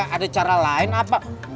ada cara lain apa